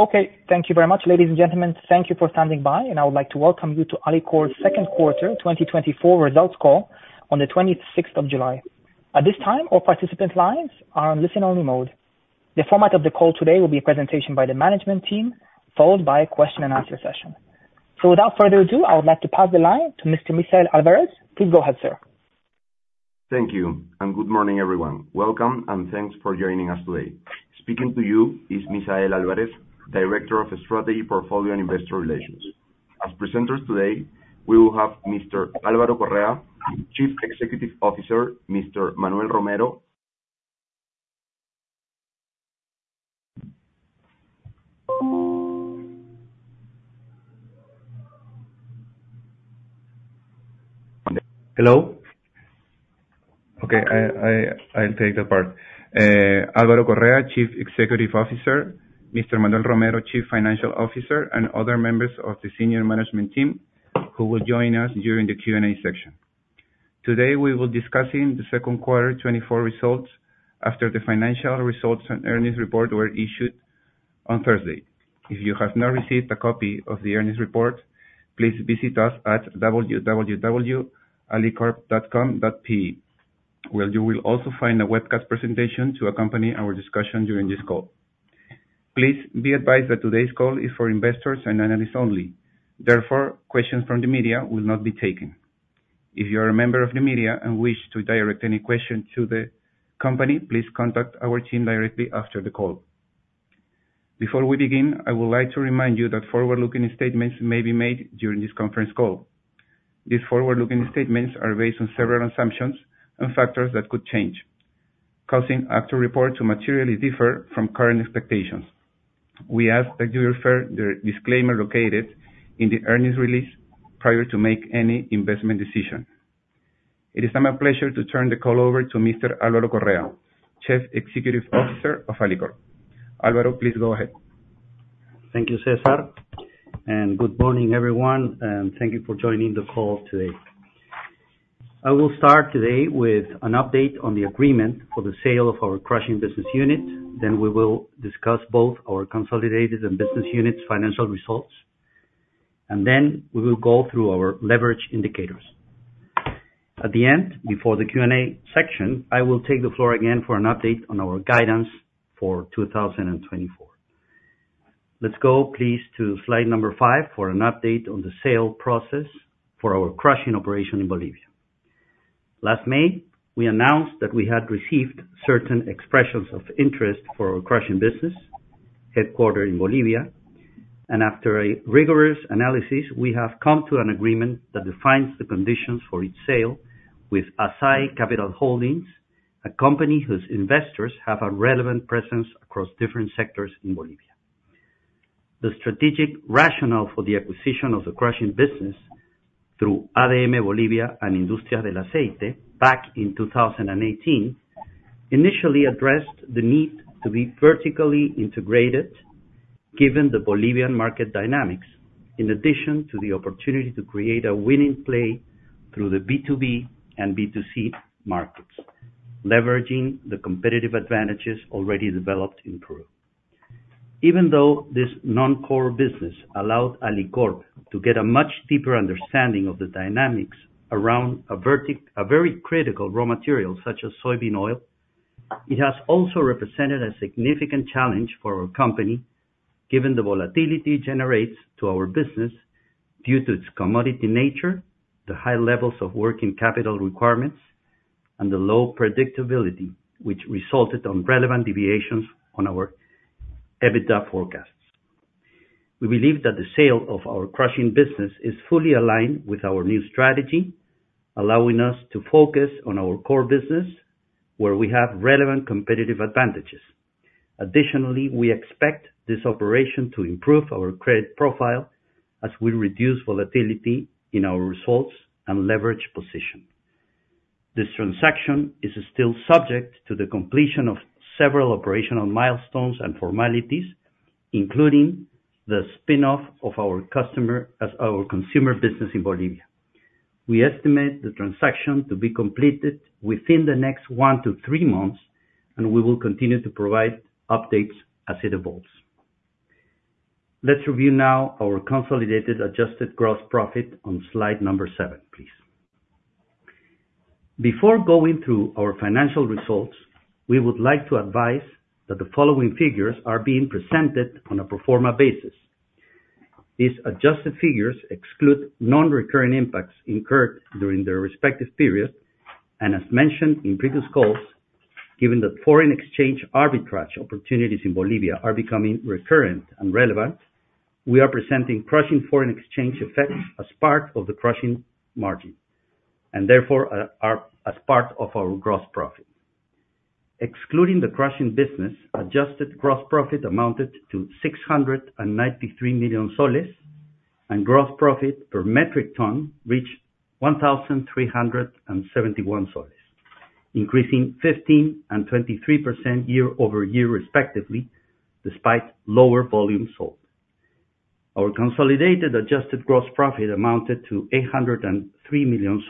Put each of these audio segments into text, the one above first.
Okay. Thank you very much, ladies and gentlemen. Thank you for standing by, and I would like to welcome you to Alicorp's second quarter 2024 results call on the 26th of July. At this time, all participants' lines are on listen-only mode. The format of the call today will be a presentation by the management team, followed by a question-and-answer session. So, without further ado, I would like to pass the line to Mr. Misael Alvarez. Please go ahead, sir. Thank you, and good morning, everyone. Welcome, and thanks for joining us today. Speaking to you is Misael Alvarez, Director of Strategy, Portfolio, and Investor Relations. As presenters today, we will have Mr. Álvaro Correa, Chief Executive Officer, Mr. Manuel Romero. Hello? Okay. I'll take the part. Álvaro Correa, Chief Executive Officer; Mr. Manuel Romero, Chief Financial Officer; and other members of the senior management team who will join us during the Q&A session. Today, we will be discussing the second quarter 2024 results after the financial results and earnings report were issued on Thursday. If you have not received a copy of the earnings report, please visit us at www.alicorp.com.pe, where you will also find a webcast presentation to accompany our discussion during this call. Please be advised that today's call is for investors and analysts only. Therefore, questions from the media will not be taken. If you are a member of the media and wish to direct any question to the company, please contact our team directly after the call. Before we begin, I would like to remind you that forward-looking statements may be made during this conference call. These forward-looking statements are based on several assumptions and factors that could change, causing actual results to materially differ from current expectations. We ask that you refer to the disclaimer located in the earnings release prior to making any investment decision. It is now my pleasure to turn the call over to Mr. Álvaro Correa, Chief Executive Officer of Alicorp. Álvaro, please go ahead. Thank you, César. Good morning, everyone. Thank you for joining the call today. I will start today with an update on the agreement for the sale of our Crushing business unit. We will discuss both our consolidated and business units' financial results. We will go through our leverage indicators. At the end, before the Q&A section, I will take the floor again for an update on our guidance for 2024. Let's go, please, to slide number 5 for an update on the sale process for our Crushing operation in Bolivia. Last May, we announced that we had received certain expressions of interest for our Crushing business, headquartered in Bolivia. After a rigorous analysis, we have come to an agreement that defines the conditions for its sale with Asai Capital Holdings, a company whose investors have a relevant presence across different sectors in Bolivia. The strategic rationale for the acquisition of the Crushing business through ADM Bolivia and Industrias de Aceite back in 2018 initially addressed the need to be vertically integrated given the Bolivian market dynamics, in addition to the opportunity to create a winning play through the B2B and B2C markets, leveraging the competitive advantages already developed in Peru. Even though this non-core business allowed Alicorp to get a much deeper understanding of the dynamics around a very critical raw material such as soybean oil, it has also represented a significant challenge for our company, given the volatility it generates to our business due to its commodity nature, the high levels of working capital requirements, and the low predictability, which resulted in relevant deviations on our EBITDA forecasts. We believe that the sale of our Crushing business is fully aligned with our new strategy, allowing us to focus on our core business, where we have relevant competitive advantages. Additionally, we expect this operation to improve our credit profile as we reduce volatility in our results and leverage position. This transaction is still subject to the completion of several operational milestones and formalities, including the spinoff of our consumer business in Bolivia. We estimate the transaction to be completed within the next 1-3 months, and we will continue to provide updates as it evolves. Let's review now our consolidated adjusted gross profit on slide number 7, please. Before going through our financial results, we would like to advise that the following figures are being presented on a pro forma basis. These adjusted figures exclude non-recurring impacts incurred during the respective period. As mentioned in previous calls, given that foreign exchange arbitrage opportunities in Bolivia are becoming recurrent and relevant, we are presenting Crushing foreign exchange effects as part of the Crushing margin and therefore as part of our gross profit. Excluding the Crushing business, adjusted gross profit amounted to PEN 693 million, and gross profit per metric ton reached PEN 1,371, increasing 15% and 23% year-over-year, respectively, despite lower volume sold. Our consolidated adjusted gross profit amounted to PEN 803 million,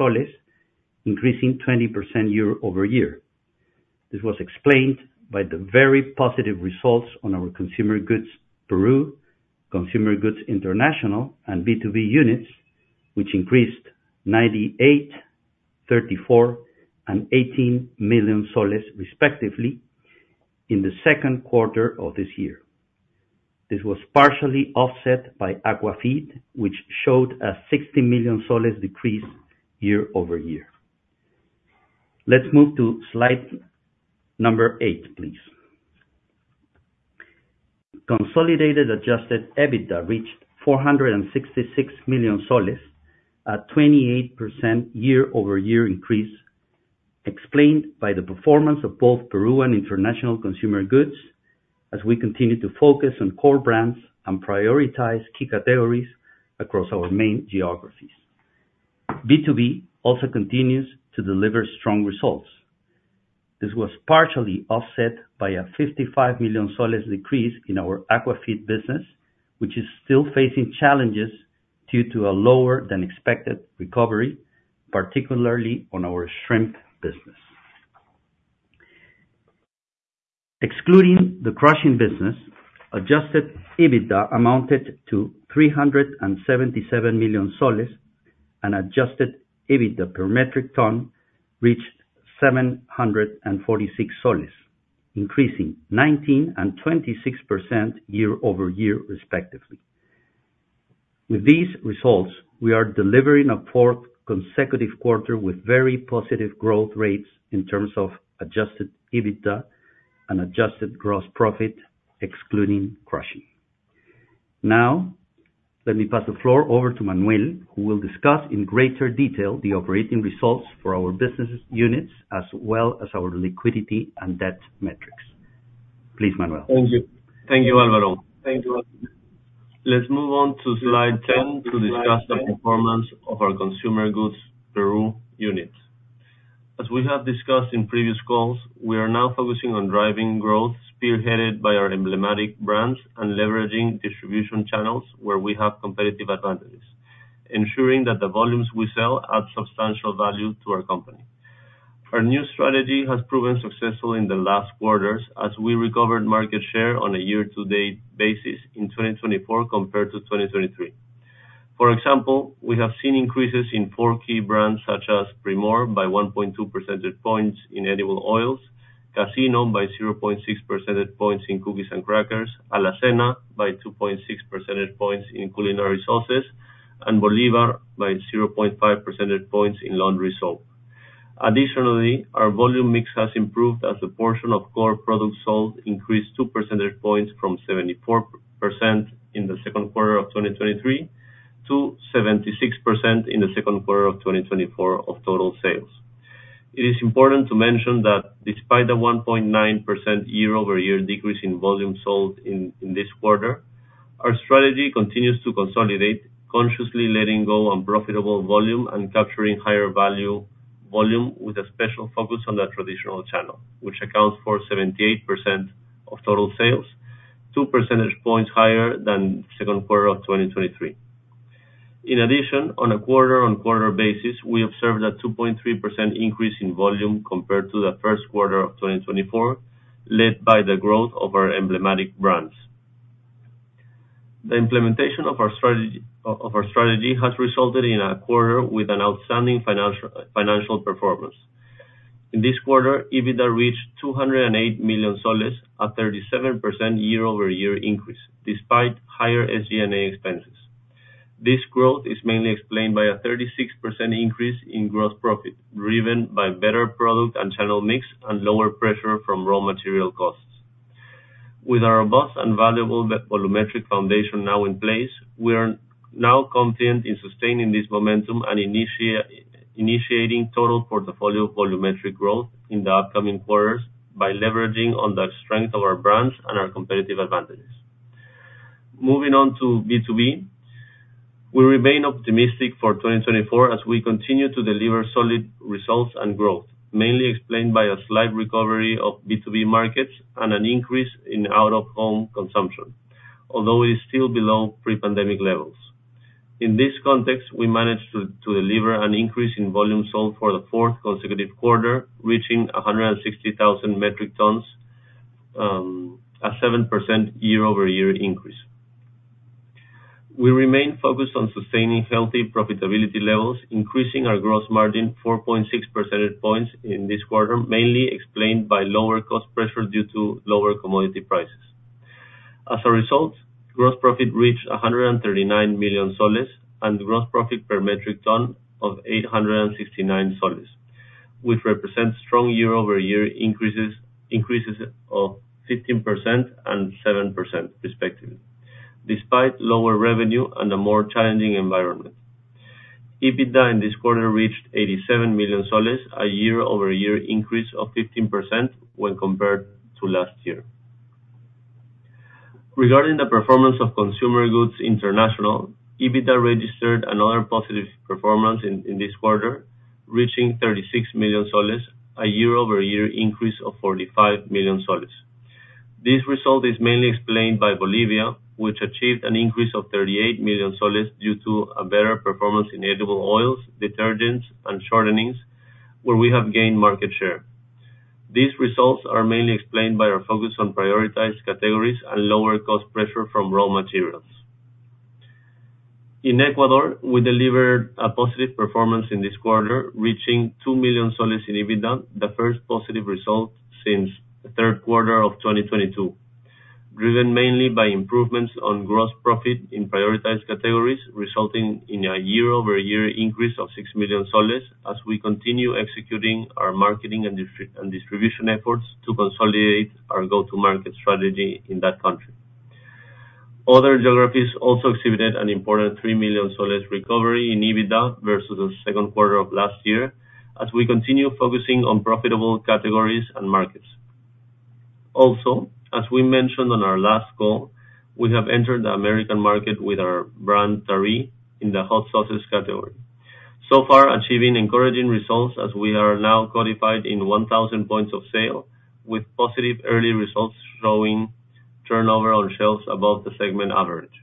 increasing 20% year-over-year. This was explained by the very positive results on our Consumer Goods Peru, Consumer Goods International, and B2B units, which increased PEN 98 million, PEN 34 million, and PEN 18 million, respectively, in the second quarter of this year. This was partially offset by Aquafeed, which showed a PEN 60 million decrease year-over-year. Let's move to slide number 8, please. Consolidated adjusted EBITDA reached PEN 466 million, a 28% year-over-year increase, explained by the performance of both Peru and international consumer goods as we continue to focus on core brands and prioritize key categories across our main geographies. B2B also continues to deliver strong results. This was partially offset by a PEN 55 million decrease in our Aquafeed business, which is still facing challenges due to a lower-than-expected recovery, particularly on our shrimp business. Excluding the Crushing business, adjusted EBITDA amounted to PEN 377 million, and adjusted EBITDA per metric ton reached 746 PEN, increasing 19% and 26% year-over-year, respectively. With these results, we are delivering a fourth consecutive quarter with very positive growth rates in terms of adjusted EBITDA and adjusted gross profit, excluding Crushing. Now, let me pass the floor over to Manuel, who will discuss in greater detail the operating results for our business units as well as our liquidity and debt metrics. Please, Manuel. Thank you. Thank you, Álvaro. Thank you, Álvaro. Let's move on to slide 10 to discuss the performance of our Consumer Goods Peru units. As we have discussed in previous calls, we are now focusing on driving growth spearheaded by our emblematic brands and leveraging distribution channels where we have competitive advantages, ensuring that the volumes we sell add substantial value to our company. Our new strategy has proven successful in the last quarters as we recovered market share on a year-to-date basis in 2024 compared to 2023. For example, we have seen increases in four key brands such as Primor by 1.2 percentage points in edible oils, Casino by 0.6 percentage points in cookies and crackers, Alacena by 2.6 percentage points in culinary sauces, and Bolívar by 0.5 percentage points in laundry soap. Additionally, our volume mix has improved as the portion of core products sold increased 2 percentage points from 74% in the second quarter of 2023 to 76% in the second quarter of 2024 of total sales. It is important to mention that despite the 1.9% year-over-year decrease in volume sold in this quarter, our strategy continues to consolidate, consciously letting go of unprofitable volume and capturing higher value volume with a special focus on the traditional channel, which accounts for 78% of total sales, 2 percentage points higher than the second quarter of 2023. In addition, on a quarter-on-quarter basis, we observed a 2.3% increase in volume compared to the first quarter of 2024, led by the growth of our emblematic brands. The implementation of our strategy has resulted in a quarter with an outstanding financial performance. In this quarter, EBITDA reached PEN 208 million, a 37% year-over-year increase, despite higher SG&A expenses. This growth is mainly explained by a 36% increase in gross profit, driven by better product and channel mix and lower pressure from raw material costs. With a robust and valuable volumetric foundation now in place, we are now confident in sustaining this momentum and initiating total portfolio volumetric growth in the upcoming quarters by leveraging on the strength of our brands and our competitive advantages. Moving on to B2B, we remain optimistic for 2024 as we continue to deliver solid results and growth, mainly explained by a slight recovery of B2B markets and an increase in out-of-home consumption, although it is still below pre-pandemic levels. In this context, we managed to deliver an increase in volume sold for the fourth consecutive quarter, reaching 160,000 metric tons, a 7% year-over-year increase. We remain focused on sustaining healthy profitability levels, increasing our gross margin 4.6 percentage points in this quarter, mainly explained by lower cost pressure due to lower commodity prices. As a result, gross profit reached PEN 139 million and gross profit per metric ton of PEN 869, which represents strong year-over-year increases of 15% and 7%, respectively, despite lower revenue and a more challenging environment. EBITDA in this quarter reached PEN 87 million, a year-over-year increase of 15% when compared to last year. Regarding the performance of Consumer Goods International, EBITDA registered another positive performance in this quarter, reaching PEN 36 million, a year-over-year increase of PEN 45 million. This result is mainly explained by Bolivia, which achieved an increase of PEN 38 million due to a better performance in edible oils, detergents, and shortenings, where we have gained market share. These results are mainly explained by our focus on prioritized categories and lower cost pressure from raw materials. In Ecuador, we delivered a positive performance in this quarter, reaching PEN 2 million in EBITDA, the first positive result since the third quarter of 2022, driven mainly by improvements on gross profit in prioritized categories, resulting in a year-over-year increase of PEN 6 million as we continue executing our marketing and distribution efforts to consolidate our go-to-market strategy in that country. Other geographies also exhibited an important PEN 3 million recovery in EBITDA versus the second quarter of last year as we continue focusing on profitable categories and markets. Also, as we mentioned on our last call, we have entered the American market with our brand Tari in the hot sauces category, so far achieving encouraging results as we are now codified in 1,000 points of sale with positive early results showing turnover on shelves above the segment average.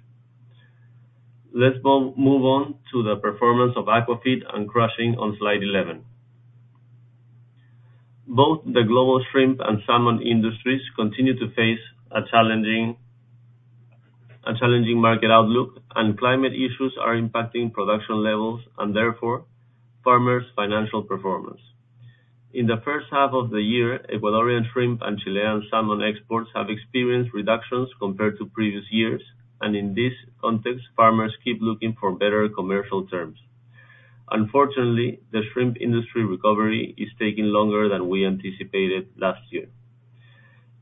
Let's move on to the performance of Aquafeed and Crushing on slide 11. Both the global shrimp and salmon industries continue to face a challenging market outlook, and climate issues are impacting production levels and, therefore, farmers' financial performance. In the first half of the year, Ecuadorian shrimp and Chilean salmon exports have experienced reductions compared to previous years, and in this context, farmers keep looking for better commercial terms. Unfortunately, the shrimp industry recovery is taking longer than we anticipated last year.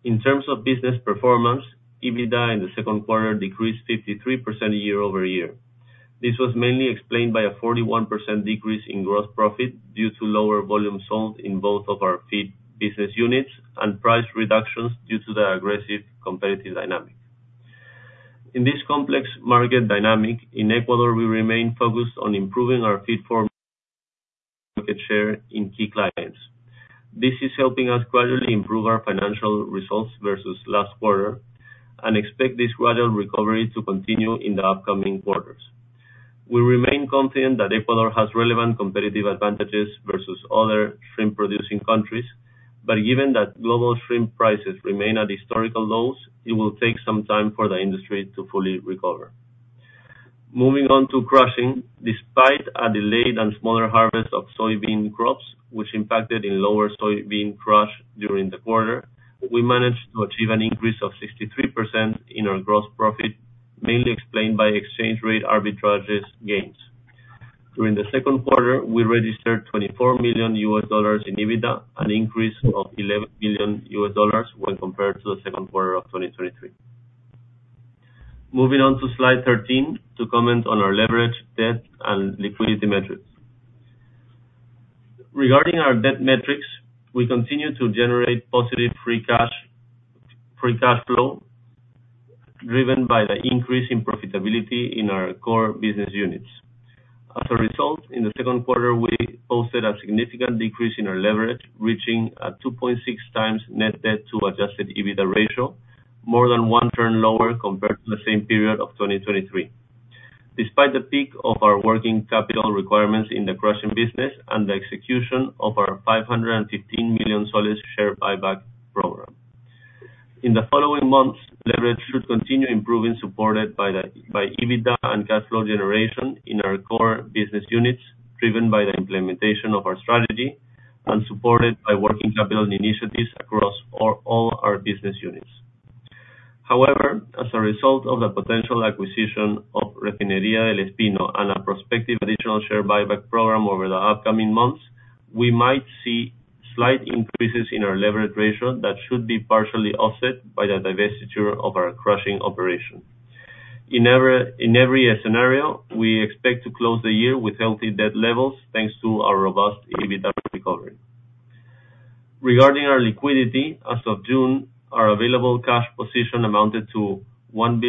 In terms of business performance, EBITDA in the second quarter decreased 53% year-over-year. This was mainly explained by a 41% decrease in gross profit due to lower volume sold in both of our feed business units and price reductions due to the aggressive competitive dynamic. In this complex market dynamic, in Ecuador, we remain focused on improving our feed market share in key clients. This is helping us gradually improve our financial results versus last quarter and expect this gradual recovery to continue in the upcoming quarters. We remain confident that Ecuador has relevant competitive advantages versus other shrimp-producing countries, but given that global shrimp prices remain at historical lows, it will take some time for the industry to fully recover. Moving on to Crushing, despite a delayed and smaller harvest of soybean crops, which impacted in lower soybean crush during the quarter, we managed to achieve an increase of 63% in our gross profit, mainly explained by exchange rate arbitrage gains. During the second quarter, we registered $24 million in EBITDA, an increase of $11 million when compared to the second quarter of 2023. Moving on to slide 13 to comment on our leverage, debt, and liquidity metrics. Regarding our debt metrics, we continue to generate positive free cash flow driven by the increase in profitability in our core business units. As a result, in the second quarter, we posted a significant decrease in our leverage, reaching a 2.6x net debt to adjusted EBITDA ratio, more than one turn lower compared to the same period of 2023, despite the peak of our working capital requirements in the Crushing business and the execution of our PEN 515 million share buyback program. In the following months, leverage should continue improving, supported by EBITDA and cash flow generation in our core business units, driven by the implementation of our strategy and supported by working capital initiatives across all our business units. However, as a result of the potential acquisition of Refinería del Espino and a prospective additional share buyback program over the upcoming months, we might see slight increases in our leverage ratio that should be partially offset by the divestiture of our Crushing operation. In every scenario, we expect to close the year with healthy debt levels thanks to our robust EBITDA recovery. Regarding our liquidity, as of June, our available cash position amounted to PEN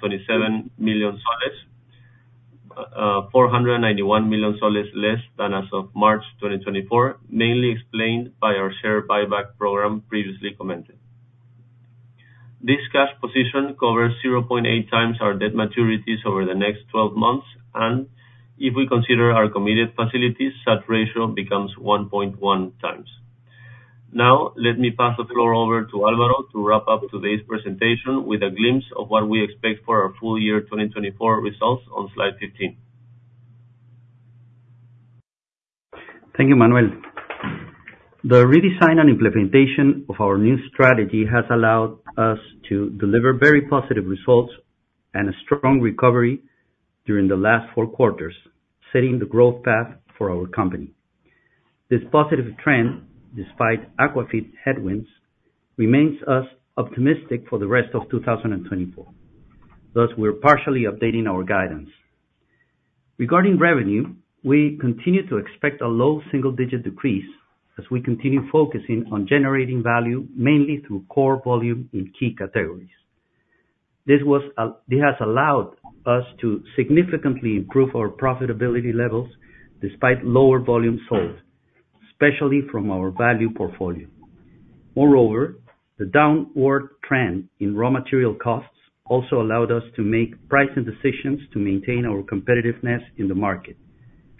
1.027 billion, PEN 491 million less than as of March 2024, mainly explained by our share buyback program previously commented. This cash position covers 0.8x our debt maturities over the next 12 months, and if we consider our committed facilities, that ratio becomes 1.1x. Now, let me pass the floor over to Álvaro to wrap up today's presentation with a glimpse of what we expect for our full year 2024 results on slide 15. Thank you, Manuel. The redesign and implementation of our new strategy has allowed us to deliver very positive results and a strong recovery during the last four quarters, setting the growth path for our company. This positive trend, despite Aquafeed headwinds, leaves us optimistic for the rest of 2024. Thus, we're partially updating our guidance. Regarding revenue, we continue to expect a low single-digit decrease as we continue focusing on generating value mainly through core volume in key categories. This has allowed us to significantly improve our profitability levels despite lower volume sold, especially from our value portfolio. Moreover, the downward trend in raw material costs also allowed us to make pricing decisions to maintain our competitiveness in the market,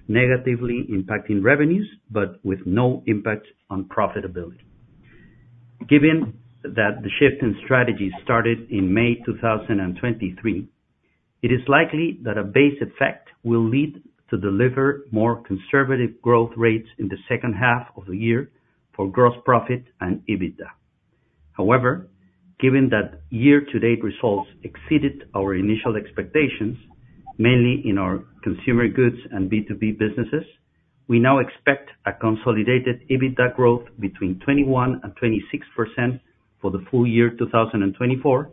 negatively impacting revenues but with no impact on profitability. Given that the shift in strategy started in May 2023, it is likely that a base effect will lead to deliver more conservative growth rates in the second half of the year for gross profit and EBITDA. However, given that year-to-date results exceeded our initial expectations, mainly in our consumer goods and B2B businesses, we now expect a consolidated EBITDA growth between 21% and 26% for the full year 2024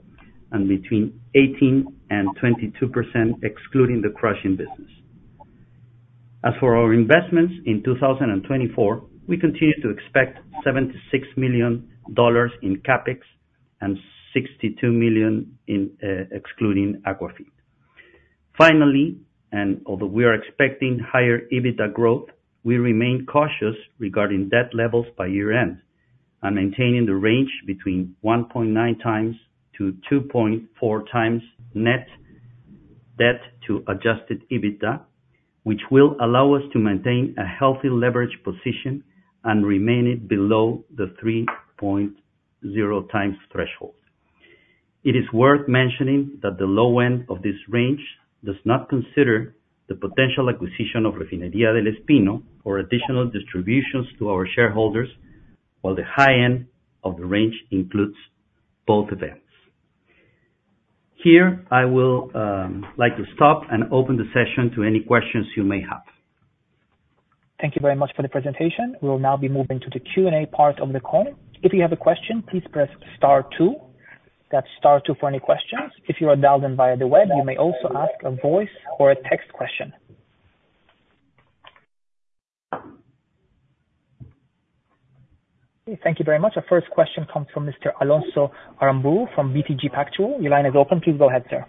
and between 18% and 22%, excluding the Crushing business. As for our investments in 2024, we continue to expect $76 million in CapEx and $62 million excluding Aquafeed. Finally, and although we are expecting higher EBITDA growth, we remain cautious regarding debt levels by year-end and maintaining the range between 1.9x-2.4x net debt to adjusted EBITDA, which will allow us to maintain a healthy leverage position and remain below the 3.0x threshold. It is worth mentioning that the low end of this range does not consider the potential acquisition of Refinería del Espino or additional distributions to our shareholders, while the high end of the range includes both events. Here, I would like to stop and open the session to any questions you may have. Thank you very much for the presentation. We will now be moving to the Q&A part of the call. If you have a question, please press star two. That's star two for any questions. If you are dialed in via the web, you may also ask a voice or a text question. Thank you very much. Our first question comes from Mr. Alonso Aramburú from BTG Pactual. Your line is open. Please go ahead, sir.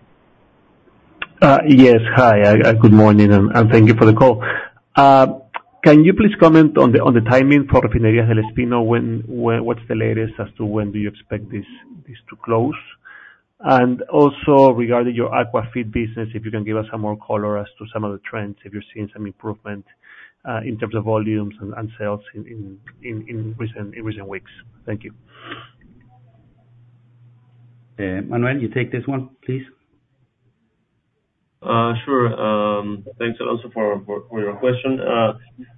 Yes. Hi. Good morning, and thank you for the call. Can you please comment on the timing for Refinería del Espino? What's the latest as to when do you expect this to close? And also, regarding your Aquafeed business, if you can give us some more color as to some of the trends, if you're seeing some improvement in terms of volumes and sales in recent weeks? Thank you. Manuel, you take this one, please. Sure. Thanks, Alonso, for your question.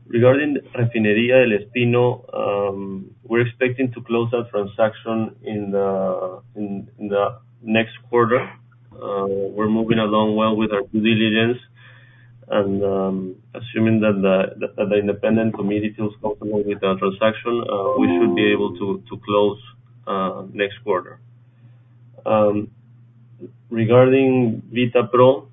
Regarding Refinería del Espino, we're expecting to close that transaction in the next quarter. We're moving along well with our due diligence, and assuming that the independent committee feels comfortable with that transaction, we should be able to close next quarter. Regarding Vitapro,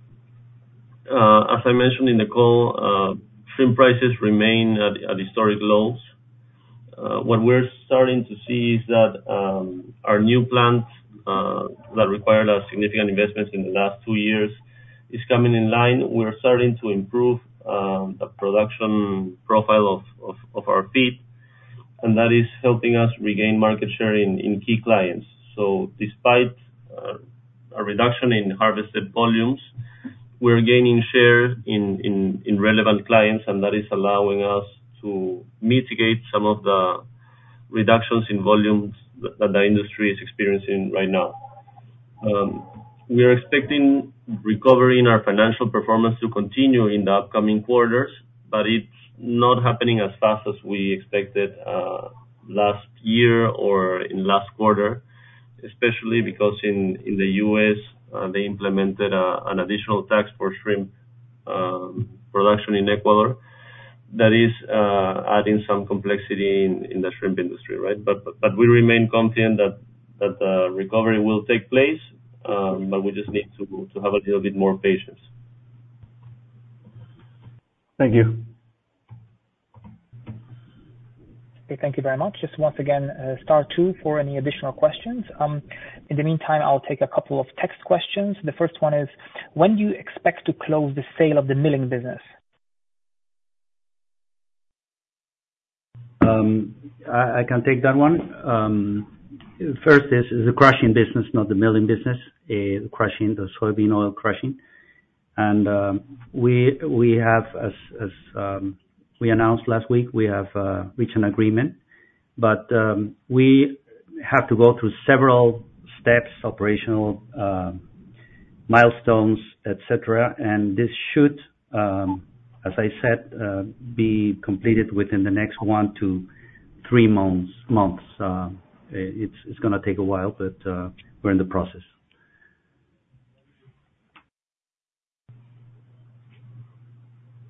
as I mentioned in the call, shrimp prices remain at historic lows. What we're starting to see is that our new plant that required significant investments in the last two years is coming in line. We're starting to improve the production profile of our feed, and that is helping us regain market share in key clients. So despite a reduction in harvested volumes, we're gaining share in relevant clients, and that is allowing us to mitigate some of the reductions in volumes that the industry is experiencing right now. We are expecting recovery in our financial performance to continue in the upcoming quarters, but it's not happening as fast as we expected last year or in last quarter, especially because in the U.S., they implemented an additional tax for shrimp production in Ecuador that is adding some complexity in the shrimp industry, right? But we remain confident that the recovery will take place, but we just need to have a little bit more patience. Thank you. Okay. Thank you very much. Just once again, star two for any additional questions. In the meantime, I'll take a couple of text questions. The first one is, when do you expect to close the sale of the milling business? I can take that one. First is the Crushing business, not the milling business, the Crushing, the soybean oil Crushing. And we have, as we announced last week, we have reached an agreement, but we have to go through several steps, operational milestones, etc., and this should, as I said, be completed within the next 1-3 months. It's going to take a while, but we're in the process.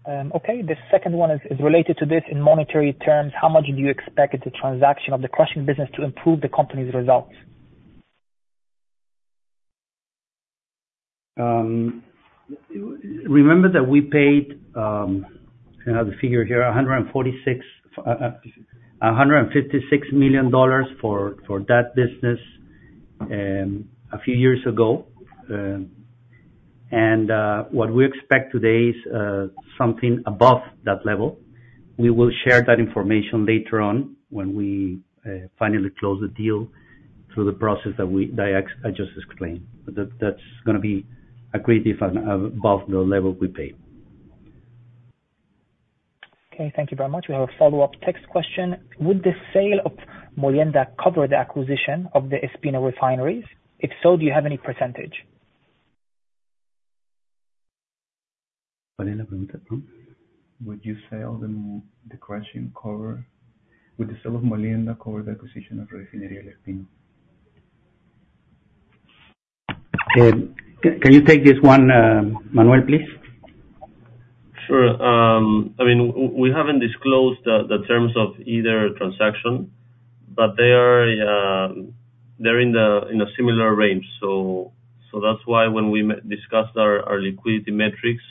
Okay. The second one is related to this in monetary terms. How much do you expect the transaction of the crushing business to improve the company's results? Remember that we paid, I have the figure here, $156 million for that business a few years ago, and what we expect today is something above that level. We will share that information later on when we finally close the deal through the process that I just explained. That's going to be a great deal above the level we paid. Okay. Thank you very much. We have a follow-up text question. Would the sale of Molienda cover the acquisition of the Espino refineries? If so, do you have any percentage? Would the sale of Molienda cover the acquisition of Refinería del Espino? Can you take this one, Manuel, please? Sure. I mean, we haven't disclosed the terms of either transaction, but they're in a similar range. So that's why when we discussed our liquidity metrics,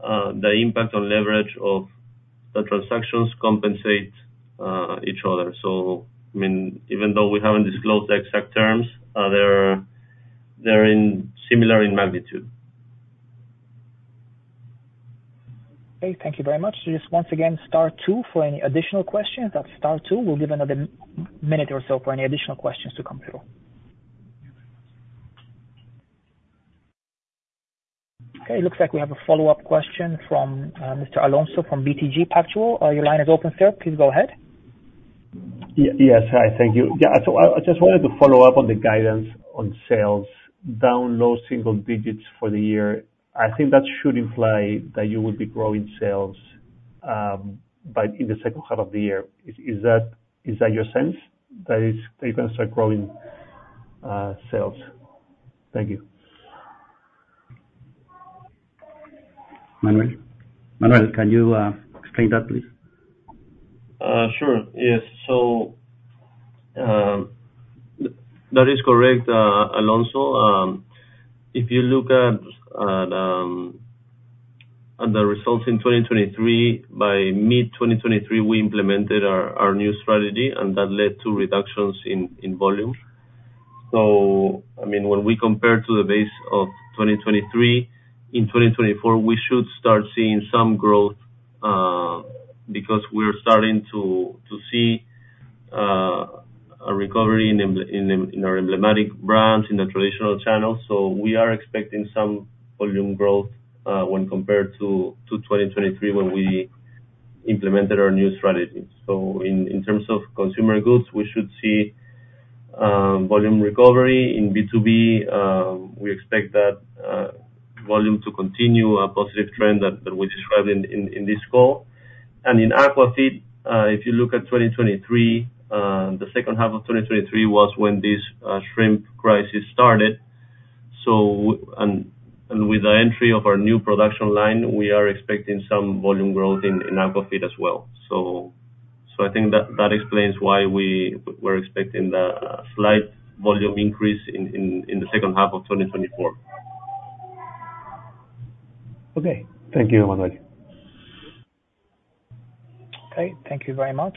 the impact on leverage of the transactions compensates each other. So I mean, even though we haven't disclosed the exact terms, they're similar in magnitude. Okay. Thank you very much. Just once again, star two for any additional questions. That's star two. We'll give another minute or so for any additional questions to come through. Okay. It looks like we have a follow-up question from Mr. Alonso from BTG Pactual. Your line is open, sir. Please go ahead. Yes. Hi. Thank you. Yeah. So I just wanted to follow up on the guidance on sales, down low single digits for the year. I think that should imply that you would be growing sales in the second half of the year. Is that your sense that you can start growing sales? Thank you. Manuel. Manuel, can you explain that, please? Sure. Yes. That is correct, Alonso. If you look at the results in 2023, by mid-2023, we implemented our new strategy, and that led to reductions in volume. I mean, when we compare to the base of 2023, in 2024, we should start seeing some growth because we're starting to see a recovery in our emblematic brands in the traditional channels. We are expecting some volume growth when compared to 2023 when we implemented our new strategy. In terms of consumer goods, we should see volume recovery. In B2B, we expect that volume to continue a positive trend that we described in this call. In Aquafeed, if you look at 2023, the second half of 2023 was when this shrimp crisis started. With the entry of our new production line, we are expecting some volume growth in Aquafeed as well. I think that explains why we were expecting the slight volume increase in the second half of 2024. Okay. Thank you, Manuel. Okay. Thank you very much.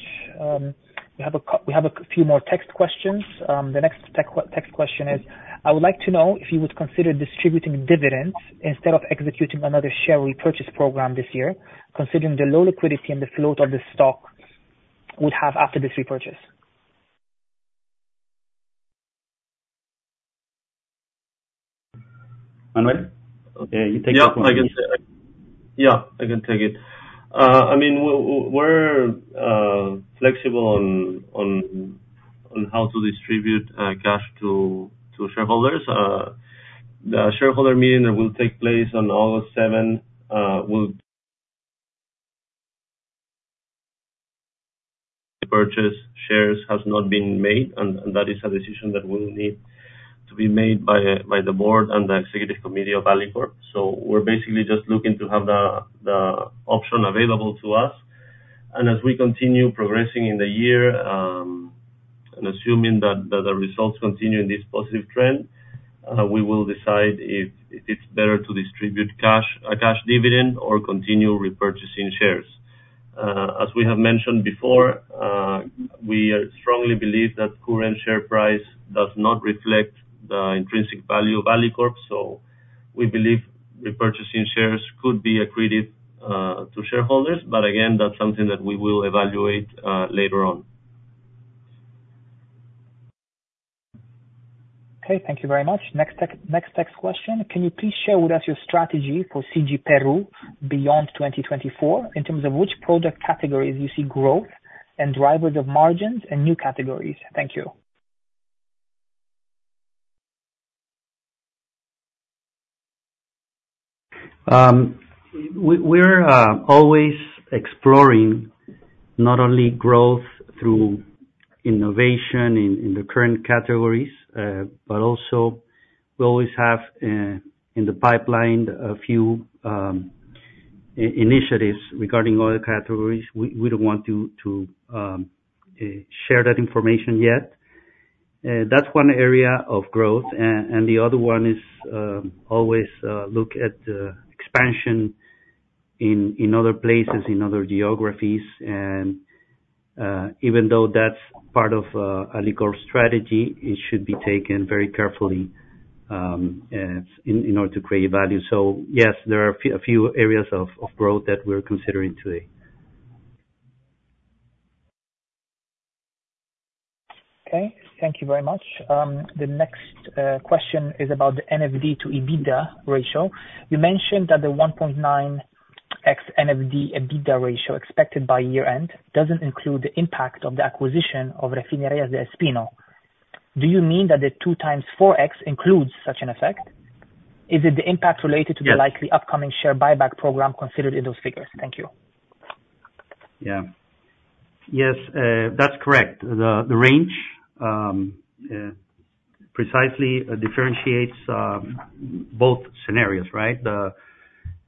We have a few more text questions. The next text question is, I would like to know if you would consider distributing dividends instead of executing another share repurchase program this year, considering the low liquidity and the float of the stock we'd have after this repurchase. Manuel? Okay. You take this one. Yeah. I can take it. I mean, we're flexible on how to distribute cash to shareholders. The shareholder meeting that will take place on August 7 will. The purchases of shares have not been made, and that is a decision that will need to be made by the board and the executive committee of Alicorp. So we're basically just looking to have the option available to us. And as we continue progressing in the year and assuming that the results continue in this positive trend, we will decide if it's better to distribute a cash dividend or continue repurchasing shares. As we have mentioned before, we strongly believe that current share price does not reflect the intrinsic value of Alicorp. So we believe repurchasing shares could be accretive to shareholders, but again, that's something that we will evaluate later on. Okay. Thank you very much. Next text question. Can you please share with us your strategy for CG Peru beyond 2024 in terms of which product categories you see growth and drivers of margins and new categories? Thank you. We're always exploring not only growth through innovation in the current categories, but also we always have in the pipeline a few initiatives regarding other categories. We don't want to share that information yet. That's one area of growth. The other one is always look at the expansion in other places, in other geographies. Even though that's part of Alicorp's strategy, it should be taken very carefully in order to create value. So yes, there are a few areas of growth that we're considering today. Okay. Thank you very much. The next question is about the NFD to EBITDA ratio. You mentioned that the 1.9x NFD EBITDA ratio expected by year-end doesn't include the impact of the acquisition of Refinería del Espino. Do you mean that the 2x-4x includes such an effect? Is it the impact related to the likely upcoming share buyback program considered in those figures? Thank you. Yeah. Yes. That's correct. The range precisely differentiates both scenarios, right?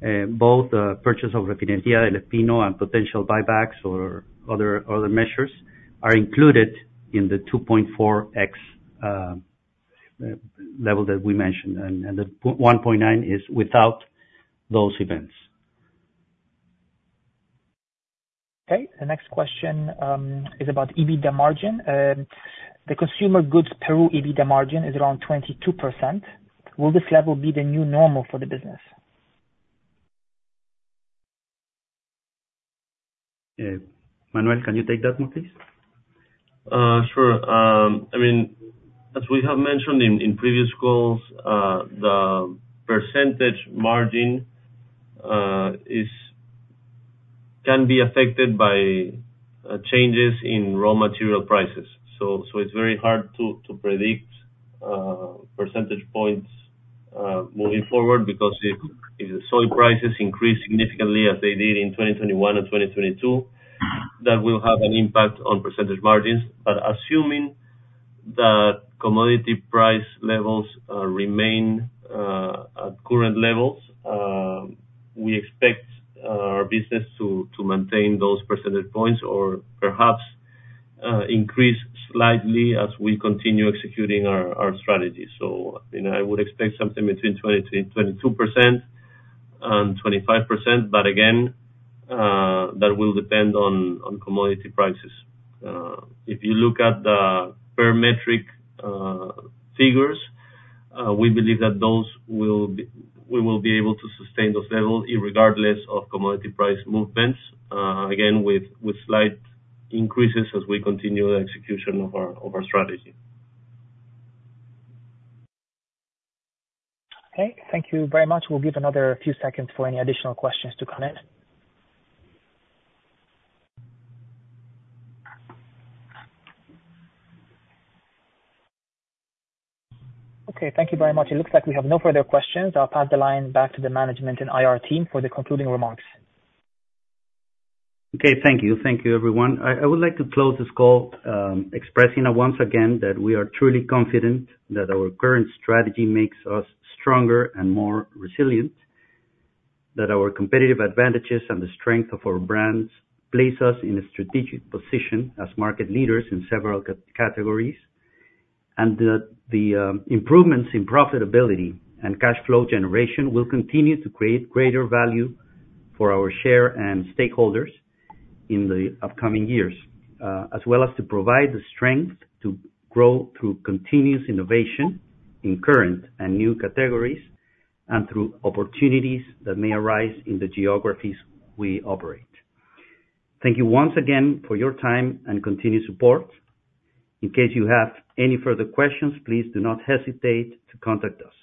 Both the purchase of Refinería del Espino and potential buybacks or other measures are included in the 2.4x level that we mentioned. And the 1.9 is without those events. Okay. The next question is about EBITDA margin. The Consumer Goods Peru EBITDA margin is around 22%. Will this level be the new normal for the business? Manuel, can you take that one, please? Sure. I mean, as we have mentioned in previous calls, the percentage margin can be affected by changes in raw material prices. So it's very hard to predict percentage points moving forward because if the soy prices increase significantly as they did in 2021 and 2022, that will have an impact on percentage margins. But assuming that commodity price levels remain at current levels, we expect our business to maintain those percentage points or perhaps increase slightly as we continue executing our strategy. So I would expect something between 22% and 25%, but again, that will depend on commodity prices. If you look at the per-metric figures, we believe that we will be able to sustain those levels regardless of commodity price movements, again, with slight increases as we continue the execution of our strategy. Okay. Thank you very much. We'll give another few seconds for any additional questions to come in. Okay. Thank you very much. It looks like we have no further questions. I'll pass the line back to the management and IR team for the concluding remarks. Okay. Thank you. Thank you, everyone. I would like to close this call expressing once again that we are truly confident that our current strategy makes us stronger and more resilient, that our competitive advantages and the strength of our brands place us in a strategic position as market leaders in several categories, and that the improvements in profitability and cash flow generation will continue to create greater value for our share and stakeholders in the upcoming years, as well as to provide the strength to grow through continuous innovation in current and new categories and through opportunities that may arise in the geographies we operate. Thank you once again for your time and continued support. In case you have any further questions, please do not hesitate to contact us.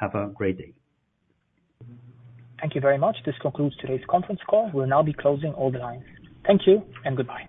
Have a great day. Thank you very much. This concludes today's conference call. We'll now be closing all the lines. Thank you and goodbye.